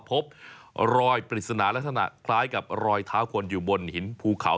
พบรอยปริศนาลักษณะคล้ายกับรอยเท้าคนอยู่บนหินภูเขา